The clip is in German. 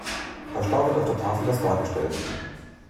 Bei Stau wird auf der Tafel das dargestellt.